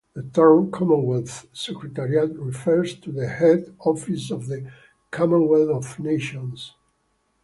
The term Commonwealth Secretariat refers to the head office of the Commonwealth of Nations.